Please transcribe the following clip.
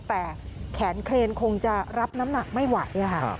แต่แขนเครนคงจะรับน้ำหนักไม่ไหวค่ะ